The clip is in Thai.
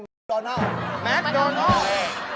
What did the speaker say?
ไอ้ดอนาลแมคดอนาล